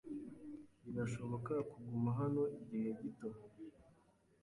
Birashoboka kuguma hano igihe gito?